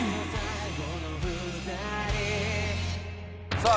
さあ